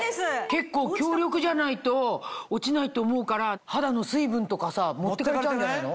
結構強力じゃないと落ちないと思うから肌の水分とかさ持ってかれちゃうんじゃないの？